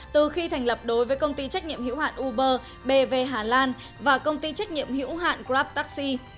từ khi thành lập đối với công ty trách nhiệm hữu hạn uber bv hà lan và công ty trách nhiệm hữu hạn grab taxi